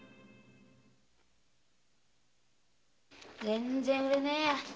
全然売れねえや。